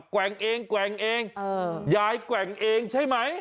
แว่งเองแกว่งเองยายแกว่งเองใช่ไหม